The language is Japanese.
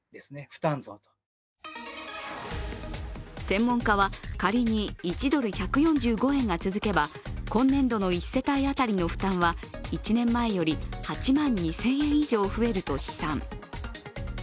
専門家は、仮に１ドル＝１４５円が続けば今年度の１世帯当たりの負担は１年前より８万２０００円以上増えると試算。